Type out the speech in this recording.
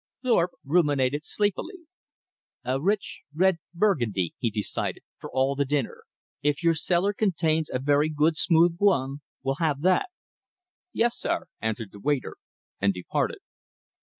Thorpe ruminated sleepily. "A rich red Burgundy," he decided, "for all the dinner. If your cellar contains a very good smooth Beaune, we'll have that." "Yes, sir," answered the waiter, and departed.